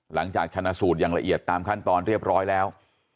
หลังจากชนะสูตรอย่างละเอียดตามขั้นตอนเรียบร้อยแล้ว